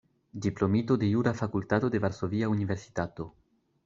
Diplomito de Jura Fakultato de Varsovia Universitato.